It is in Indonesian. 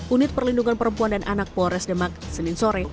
unit perlindungan perempuan dan anak polres demak senin sore